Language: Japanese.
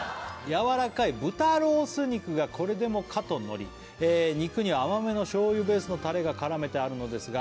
「やわらかい豚ロース肉がこれでもかとのり」「肉に甘めのしょうゆベースのたれが絡めてあるのですが」